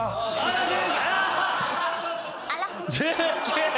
１９！